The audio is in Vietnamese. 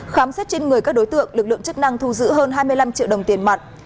khám xét trên người các đối tượng lực lượng chức năng thu giữ hơn hai mươi năm triệu đồng tiền mặt